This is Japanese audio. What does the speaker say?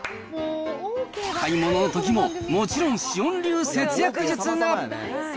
買い物のときももちろん紫苑流節約術が。